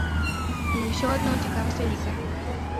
Але ўсё адно цікавасць вялікая.